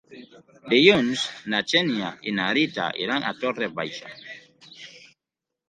Dilluns na Xènia i na Rita iran a Torre Baixa.